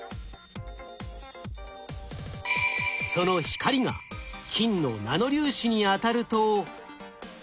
その光が金のナノ粒子に当たると。